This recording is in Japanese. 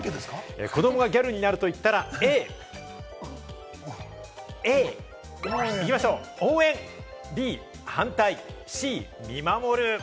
子どもがギャルになると言ったら、Ａ・応援、Ｂ・反対、Ｃ・見守る。